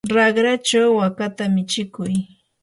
raqrachaw wakata michikuy.